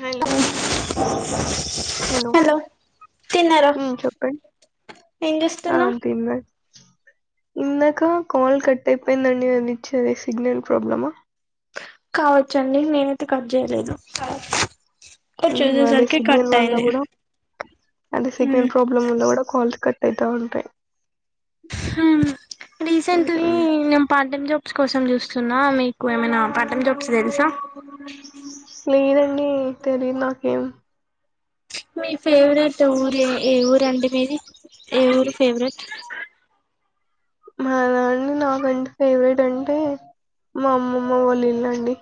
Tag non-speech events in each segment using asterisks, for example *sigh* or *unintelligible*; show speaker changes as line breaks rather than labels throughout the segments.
Hello
ఆ hello తిన్నారా
ఉమ్ చెప్పండి
ఏం చేస్తున్నా
ఇందక కల్ కట్ అయిపోయిందన్నీ అందిచ్చ అదే సిగ్నల్ ప్రాబ్లమా
కావచ్చండి నేనైతే కట్ చేయలేదు మీరు
అదే
చూసేసరికి కట్
సిగ్నల్ వల్ల
అయింది
కూడా అదే సిగ్నల్ ప్రాబ్లం వల్ల కూడా కాల్స్ కట్ అవుతాడు
రీసెంట్లీ
ఉమ్
ప టై జబ్ కోసం చూస్తున్నా మీకు ఏమైనా పఠం జాబ్స్ తెలుసా
లేదండి తెలిదు నాకేం
మీ ఫేవరెట్ ఊరు ఏ ఊరుండి మీది ఏ ఊరు ఫేవరెట్
మా దన్ని నాకంటే ఫేవరెట్ అంటే మా అమ్మమ్మ వాళీళ్ళండి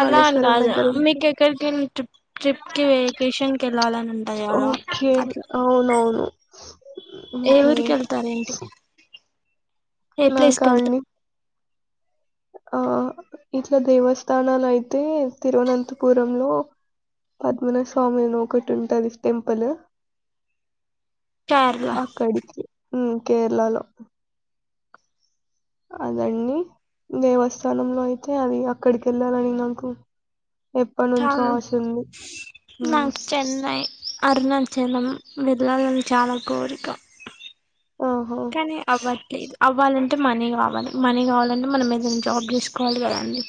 అలా అని కాదు మీకుెక్కడికి ట్రిప్ ట్రిప్ కి వెేకేషన్ కి వెళ్ళాలని ఉంటాది ఎద అట్లా
అ
ఏఊరుకెళతరేంటి. ఏ ప్లేస్
నాకా
కెళ్త.....
అండి ఆ... ఇట్ల దేవస్థానాలు అయితే, తిరువనంతపురంలో.. పద్మనాస్వామి అని ఒకటి ఉంటుంది టెంపులు...
కేరళ
అక్కడికి ఉ... కేరళలో... అదండి.. దేవస్థానంలో అయితే అది అక్కడికి వెళ్ళాలని నాకు.. ఎప్పటి నుంచో
చాలు....
ఆశ ఉంది ఉమ్,
నాకు చెన్నై అరుణన్ జనం వెళ్ళాలని చాలా కోరిక....
ఆహా
కని అవ్వట్లేదు.. అవ్వాలంటే మనీ కావాలి, మనీ కావాలంటే మనం ఏదైనా జాబ్ చేసుకోవాలి కదండి.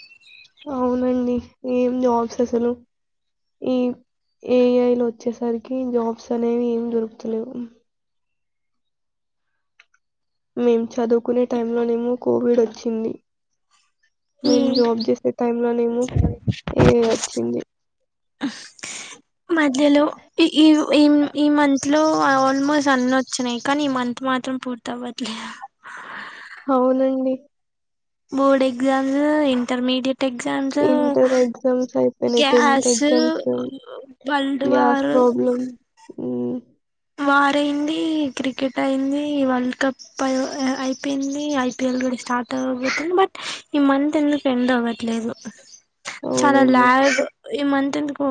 అవునండి ఏం జాబ్స్ అసలు.. ఈ.. ఏఐ లో వచ్చేసరికి జాబ్స్ అనేవి ఏం దొరుకుతలేవు మేం చదువుకునే టైంలోనేమో కోవిడ్ వచ్చింది.
ఈ
మేము జాబ్ చేసే టైంలోనేమో ఏఐ వచ్చింది
ఆహ్.. ఎ.. మధ్యలో.. ఇ ఈ ఉ ఈమ్.. ఈ మంత్ లో ఆల్మోస్ట్ అన్ని ఒచ్చినాయి, కానీ ఈ మంత్ మాత్రం పూర్తి అవ్వట్లే.
అవునండి...
board exams intermediate exams...
inter exams అయిపోయినాయి టెన్త్
గ్యాసు..
ఎగ్జామ్స్
వల్డ్ వార్..
ఉ.....
వార అయింది క్రికెట్ అయింది వరల్డ్ కప్ వార్ వార్ అయింది. క్రికెట్ అయింది వార్ వార్ వార్ అయింది.. క్రికెట్ అయింది.. వల్డ్ కప్ అయిపోయింది.. ఐపీఎల్ కూడా స్టార్ట్ అవ్వబతుంది, బట్ ఈ మంత్ ఎందుకు ఎండ్ అవ్వట్లేదు చ్... చాలా
అవునండి
ల్యాగ్.. ఈ మంత్ ఎందుకో..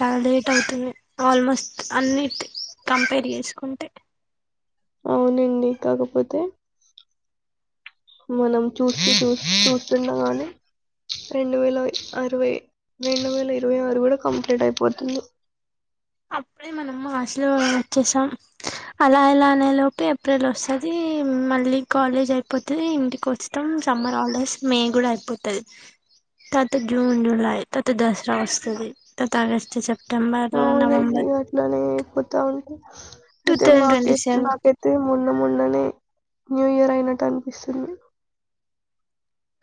చాలా లేట్ అవుతుంది ఆల్మోస్ట్ అన్నీట్.. కంపేర్ చేసుకుంటె
అవునండి కాకపోతే..... మనం చూస్తూ చూస్తూ చూస్తుండగానే రెండు వేల అరవై, రెండు వేల ఇరవై ఆరు కూడా కంప్లీట్ అయిపోతుంది.
అప్పుడే మనము హస్లు వచ్చేసాం, అలా ఎలా అనే లోప ఏప్రిల్ వస్తుంది మళ్ళీ కాలేజ్ అయిపోతుంది ఇంటికి వస్తాం సమ్మర్ అప్పుడే అపుడే మనం హాస్టల్ నుండి వచ్చేశాం. అలా ఎలా అనే లోపే ఏప్రిల్ వస్తది, మళ్ళీ కాలేజ్ అయిపోతది, ఇంటికి వస్తాం సమ్మర్ హాలిడేస్ మే కూడా అయిపోతది తర్వాత జూన్, జూలై తర్త దసరా వస్తుంది తత ఆగస్ట్ సెప్టెంబర్
అవునండి
నవంబర్
అట్లనే.... ఒత్తా వుంటే..
టూ
ఐతే
థౌజండ్
మాక
ట్వంటీ సెవెన్
మాకతే మొన్న మొన్ననే న్యూ ఇయర్ ఐనట్టు అనిపిస్తుంది...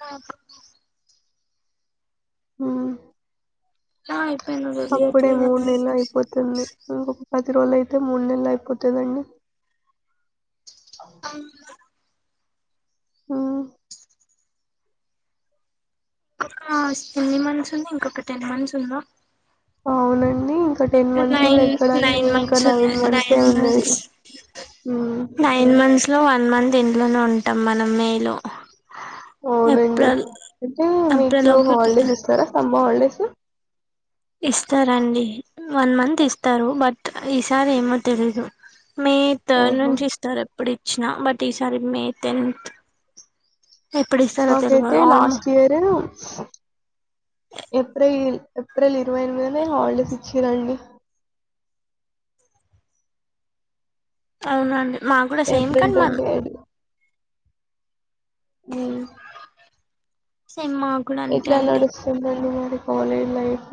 ఆహ్....
ఉ...
ఓయ్...
అప్పుడే మూడు నెళ్లు అయిపోతుంది ఎందుకు. పది రోజులు అయితే మూడు నెళ్ళు అయిపోతుందండి...
అమ్మ
ఆ
ఒక ఎన్ని మంత్స్ ఉంది ఇంకొక టెన్ మంత్స్ ఉందా
అవునండి ఇంకా టెన్ మంత్స్
నైన్
కూడా ఎక్కడండి
నైన్
ఇంకా
మంత్స్
నైన్
ఉన్నాయి
మంత్సే ఉన్నయి
మంత్స్ ఇంట్లో వన్ మంత్ ఇంట్లోనే ఉంటాం మనం మేలో
అవునండి అంటే మీకు
ఏప్రిల్ ఒకటి
హాలిడేస్ ఇస్తారా సమ్మ హాలిడేస్
ఇస్తారండి వన్ మంత్ ఇస్తారు బట్ ఈసారి ఏమో తెలీదు మే థర్డ్
ఆహా!
నుంచి ఇస్తారు ఎప్పుడు ఇచ్చిన బట్ ఈసారి మే టెన్త్ ఎప్పుడు ఇస్తారో
నాకైతే
తెలవదు almost
last year April April ఇరవై ఎనిమిదినే హాలిడేస్ ఇచ్చిరండి
అవునండి మా కూడా సేమ్ కానీ మ
అ
సేమ్ మాకు కూడా అంతే
ఎట్లా
అండి
నడుస్తుందండి మాది college life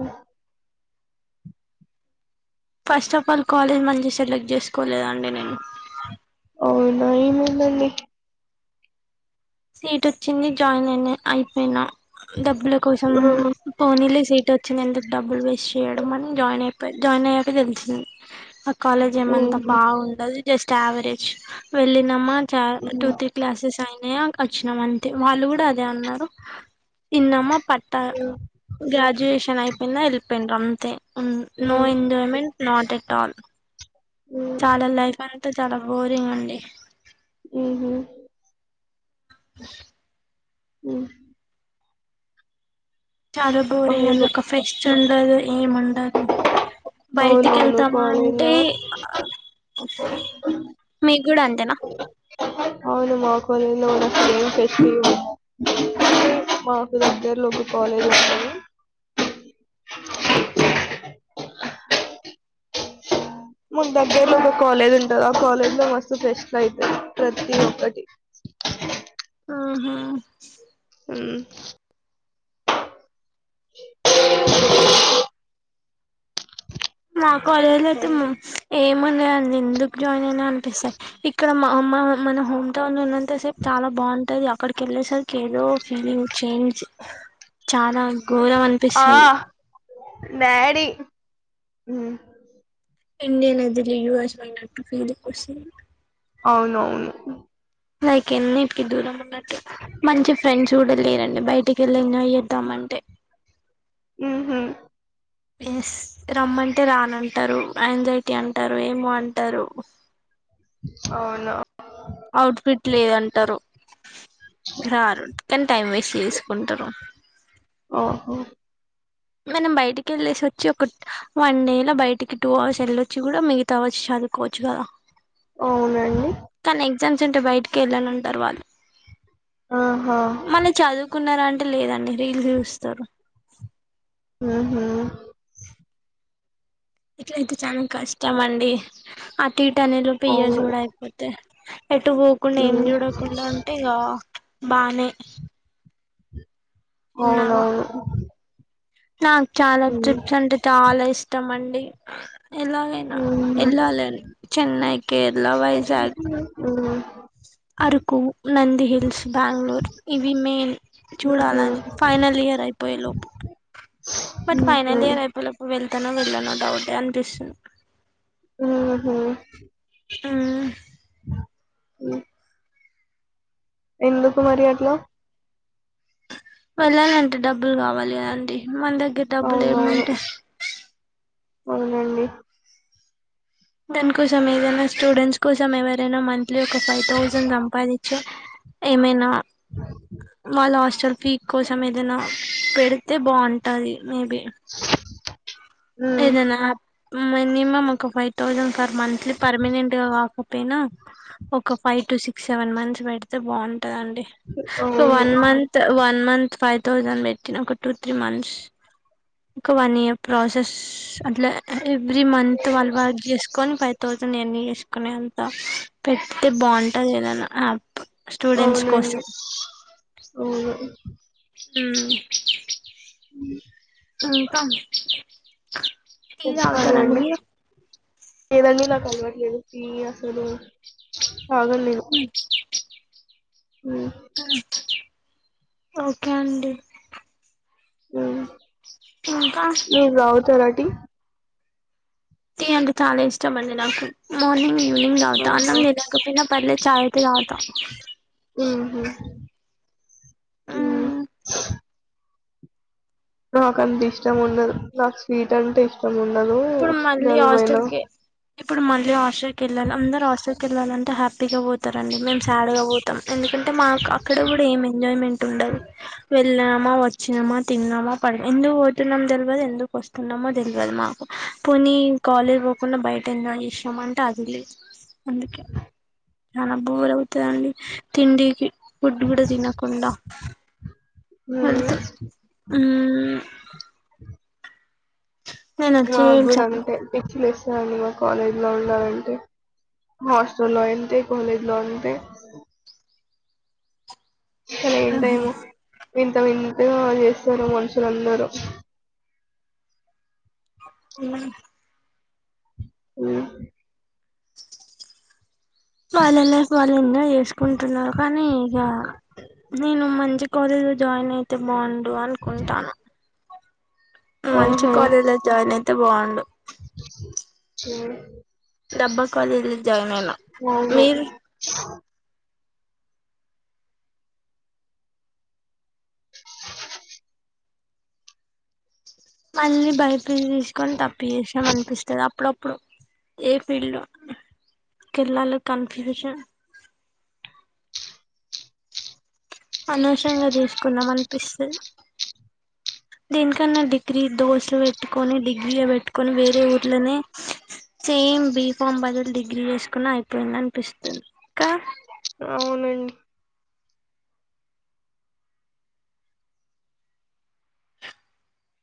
first of all college మంచి సెలెక్ట్ చేసుకోలేదండి నేను
అవునా ఎమైందండి
సీట్ వచ్చింది జాయిన్ అయినా అయిపోయినా డబ్బుల కోసం
ఆహా!
పోనీ లేసి వచ్చినందుకు డబుల్ వే చేయడం అని జాయిన్ అయప్ జాయిన్ అయ్యాక తెలిసింది కాలేజ్ ఏమంతా
హుహు.
బావుండదు జస్ట్ యవరేజ్ వెళ్ళినమా చ టూ
హ్మ్.
త్రి క్లాసెస్ అయ్ *unintelligible* వచ్చినాం అంతే వాళ్ళు కూడా అదే అన్నారు ఇన్నమ్మా ప ట గాడ్యువేషన్ అయిపోయిందా వెళ్ళిపోయిండు అంతే no
hmm.
Enjoyment not yet all
hmm.
చాల లైఫ్ అన్ అంత చాలా బోరింగ్ అండి
ఉమ్ హు ఉ....
చాలా బోరింగ్ అండి
అవును.
ఒక ఫెస్ట్ చెందదు ఏం ఉండదు.... బయటి
అవునవును.
వెళ్దామా అంటే
కాలేజ్‌లో అవును మా కాలేజ్ లో ఫేమ్ ఫస్వల్ మాకు దగ్గరలో కాలేజ్ వచ్చాను మన దగ్గర్లో ఒక కాలేజ్ ఉంటది, ఆ కాలేజ్ లో మస్తు ఫెస్ట్ అయితది ప్రతి ఒక్కటి..
ఆహూ....
ఉ.. ఉఉ..
రా.... కాలేజ్ ఐతే మస్తు ఏం... మనని నిందు జాయిన్ అయినా అనిపిస్తాయి ఇక్కడ మా అమ్మా.. మన హోమ్ టౌన్ లో ఉన్నన్ అంత సేపు చాలా బాగుంటది. అప్ అక్కడకిెల్లే సరికి ఏదో ఫీలింగ్.. చేంజ్..... చాలా ఘోరం
ఆ
అనిపిస్తది...
ఉమ్..
ఇంయనెదిర యుఎస్ బట్టు ఫీది కోసి *unintelligible*
అవునవును.....
లైక్ ఎన్నిటికి దూరం ఉన్నట్... చ్.. మంచి ఫ్రెండ్స్ కూడ లేరండి బయటికెల్లి ఎంజాయ్ చేద్దామంటే..
మ్హు
ఎస్.. రమ్మంటే రానంటరు, ఎంజైటీ అంటరు, ఏమో అంటరు.
అవును
అవుట్ ఫిట్ లేదంట. రారు.. కనీ టైం వేస్ట్ చేసుకుంటరు.....
ఓహో
మనం బయటికి వెళ్ళేసి వచ్చి ఒక వన్ డే లో బయటికి టూ అవర్స్ వెళ్ళొచ్చి కూడా మిగతా అవర్స్ చదువుకోవచ్చు కదా..
అవునండి...
ఇంత అర్జెంట్ బయటకి వెళ్ళాలంటారు వాళ్ళు
ఆహా
మనం చదువు ఉన్నార అంటే లేదండి రీల్ చూస్తారు.
ఉమ్ హు..
ఇట్ల అయితే చాలా కష్టం చమండి అ *unintelligible* టీట్ అనేరూ....
అవును
*unintelligible* ఎటు పోకుండా ఏం
మ్మ్
చూడ కుండ అంటే ఇగ బానే
అవునవును
నాక్ చాలా
మ్మ్
ట్రిప్స్ అంటే చాలా ఇష్టం అండి ఆ ఎలాగైనా
మ్హు
ఎళ్ళాలని చెన్నై కేర్
*inaudible*
అరకు నంది హిల్స్ బెంగళూర్ ఇవి మెయిన్ చూడాలని ఫైనల్
మ్హు
అతన ఇళ్ళ న ౌట్ *unintelligible*
ఉమ్ హు
ఆహ్
మ్ ఎందుకు మరి అట్ల
వెళ్లాలంటే డబ్బుల్ కావాలి కాండీ మన్ దగర్ డబ్బుల్
అవునవును
ఏముంటయ్
అవునండి
దన్కోసం ఏదైనా స్టూడెంట్స్ కోసం ఎవరైనా మంత్ త్లి ఒక ఫైవ్ థౌజండ్ జంపాది చొ ఏమైనా మళ్ హస్టల్ ఫీ కోసం ఏదైనా పెడితే బాగుంటది మే బి
ఉమ్
మినిమం ఒక five thousand per monthly permanent గా కాకపోయినా. ఒక five to six seven months పెడితే బాగుం. ట అండి క్
అవును
one month one month five thousand బెట్టిన ఒక టూ త్రీ మంత్స్ ఒక వన్ ఇయర్ ప్రాసెస్ అట్ల అహ్ ఎవ్రీ మంత్ వాళ్ వర్క్ చేసుకొని పైత్ తోతని ఎన్ని చేసుకునే అంత పెడితే బాగుంటది కాదన్నా అప్
అవునండి అవును
ఉమ్
అ
ఇంకా టీ తాగుతారా అండి మీరు
లేదండి నాకు అలవట్లేదు టీ అసలు తాగను నేను హ్మ్
ఓకే అండి
హ్మ్
ఇంకా
మీరు తాగుతారా టీ
టీ అంటే చాలా ఇష్టం అండి నాకు మార్నింగ్ నిన్ దౌత అన్నం తినకపోయిన పార్లే చాయ్ అయితే తాగ్
మ్ హుమ్ మ్
మ్మ్
నాక్ అంత్ ఇష్టం ఉండదు నాక్ స్వీట్ అంటే ఇష్టం ఉన్ లలూ జల్మైైన
ఇప్పుడు మళ్ళీ హాస్టల్ కెళ్ళాలే అందర్ హాస్టల్ ఎళ్ళాలాంటే హ్యాపీ గా పోత్ తరండి మేం స్యడ్ గ వొత్ ఎందుకంటే మాకు అక్కడ కూడా ఏం ఎంజాయ్మెంట్ ఉండదు. వె పిల్నమా వచ్చినామా తిన్నామా పడ ఎందుకు పోతున్నామా తెల్వదు ఎందుకు వస్తున్నామో తెల్వదు మాకు పోని కాలేజ్ పోకుండా బయట ఎంజాయ్ చేసామంటే అది లేదు అందుకే చాలా బోరు అవుతదండి తిండికి ఫుడ్ కూడా తినకుండా
ఉమ్
వెళ్తూ హ్మ్
నాగ్గూడ అంతే పిక్లె స్ *unintelligible* కాలేజ్ లో ఉండాలంటే హాస్టల్ లో అంతే కాలేజ్ లో అంతే అసల ఏంటో ఏమో వింటా వి యోగా చేస్తారు మనుషులందరూ
హ్మ్
హ్మ్
పాలన్నా పాలన్నా చేసుకుంటున్నారు కానీ ఇక నేను మంచి కాలేజీ లో జాయిన్ అయితే బావుండు అనుకుంటాను మంచి కాలేజ్ లో జాయిన్ అయి అయితే బావుండు
చూడు
రబ్బ కాలేజీ జాయిన్ అయినా
అవును
మీరు మళ్లీ బయ తీసుకొని తప్పి చేసాం అనిపిస్తుంది అప్పుడు ఇప్పుడు ఏ ఫీల్డ్ లో కెళ్ళలో కన్ఫ్యూషన్ అనవసరంగా తీసుకున్నాం అనిపిస్తది దీనికన్నా డిగ్రీ దోశలు పెట్టుకొని డిగ్రీగా పెట్టుకొని వేరే ఊర్లోనే సేమ్ బి ఫామ్ బదులు డిగ్రీ చేసుకున్న అయిపోయింది అనిపిస్తుంది ఇంకా
అవునండి